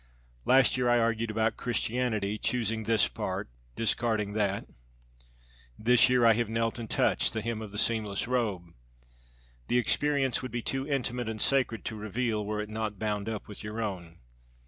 Last year I argued about Christianity, choosing this part, discarding that. This year I have knelt and touched the hem of the seamless robe. The experience would be too intimate and sacred to reveal were it not bound up with your own.